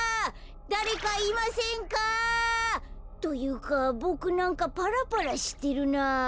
だれかいませんか？というかボクなんかパラパラしてるなぁ。